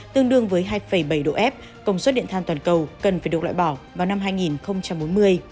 tương đương với hai bảy độ f công suất điện than toàn cầu cần phải được loại bỏ vào năm hai nghìn bốn mươi